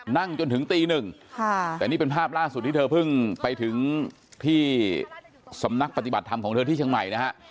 จนถึงตีหนึ่งแต่นี่เป็นภาพล่าสุดที่เธอเพิ่งไปถึงที่สำนักปฏิบัติธรรมของเธอที่เชียงใหม่นะฮะ